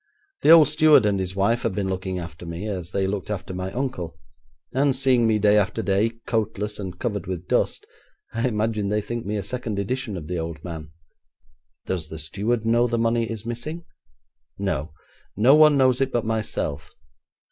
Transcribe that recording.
The old steward and his wife have been looking after me, as they looked after my uncle, and, seeing me day after day, coatless, and covered with dust, I imagine they think me a second edition of the old man.' 'Does the steward know the money is missing?' 'No; no one knows it but myself.